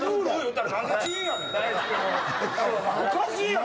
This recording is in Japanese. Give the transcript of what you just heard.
おかしいやん！